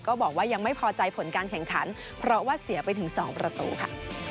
ก็บอกว่ายังไม่พอใจผลการแข่งขันเพราะว่าเสียไปถึง๒ประตูค่ะ